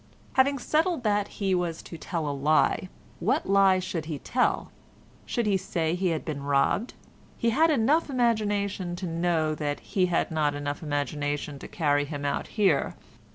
Having settled then that he was to tell a lie, what lie should he tell? Should he say he had been robbed? He had enough imagination to know that he had not enough imagination to carry him out here.